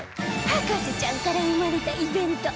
『博士ちゃん』から生まれたイベント